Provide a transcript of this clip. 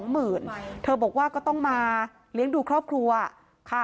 หมื่นเธอบอกว่าก็ต้องมาเลี้ยงดูครอบครัวค่ะ